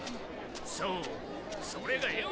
そうそれがよ。